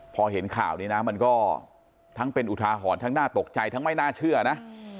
พอเห็นข่าวนี้นะมันก็ทั้งเป็นอุทาหรณ์ทั้งน่าตกใจทั้งไม่น่าเชื่อนะ